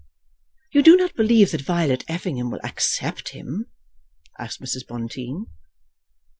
"You do not believe that Violet Effingham will accept him?" asked Mrs. Bonteen.